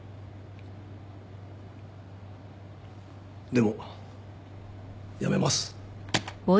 でもやめます。